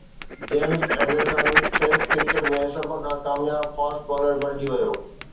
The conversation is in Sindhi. جيمز اينڊرسن ٽيسٽ ڪرڪيٽ ۾ سڀ کان ڪامياب فاسٽ بالر بڻجي ويو